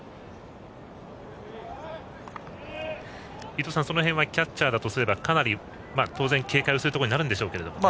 伊東さん、その辺はキャッチャーだとすればかなり当然、警戒をするところになるんでしょうけどね。